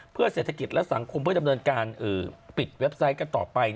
เพื่อเศรษฐกิจและสังคมเพื่อดำเนินการปิดเว็บไซต์กันต่อไป